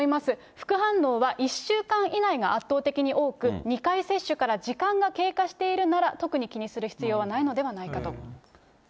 副反応は１週間以内が圧倒的に多く、２回接種から時間が経過しているなら、特に気にする必要はないのではないかと。